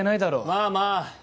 まあまあ。